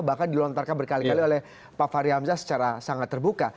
bahkan dilontarkan berkali kali oleh pak fahri hamzah secara sangat terbuka